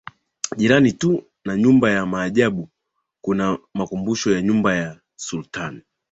Jirani tu na Nyumba ya Maajabu kuna Makumbusho ya Nyumba ya Sultani